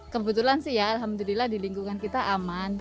kebetulan sih ya alhamdulillah di lingkungan kita aman